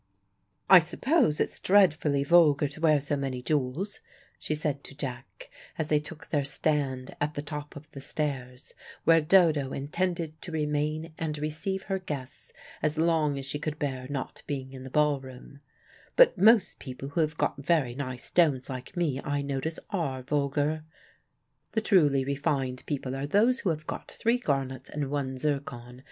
"I suppose it's dreadfully vulgar to wear so many jewels," she said to Jack, as they took their stand at the top of the stairs, where Dodo intended to remain and receive her guests, as long as she could bear not being in the ball room, "but most people who have got very nice stones like me I notice are vulgar. The truly refined people are those who have got three garnets and one zircon.